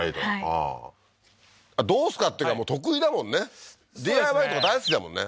ああーどうですかっていうかもう得意だもんねＤＩＹとか大好きだもんね